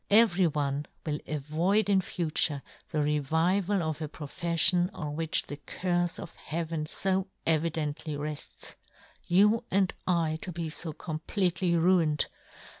Every one " will avoid in future the revival of " a profeflion on which the curfe of " heaven fo evidently refts. You " and I to be fo completely ruined